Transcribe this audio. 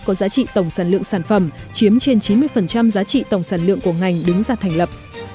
có giá trị tổng sản lượng sản phẩm chiếm trên chín mươi giá trị tổng sản lượng của ngành đứng ra thành lập